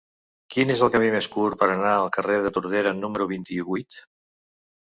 Quin és el camí més curt per anar al carrer de Tordera número vint-i-vuit?